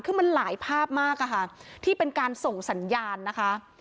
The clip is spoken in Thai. คือมันหลายภาพมากอะค่ะที่เป็นการส่งสัญญาณนะคะ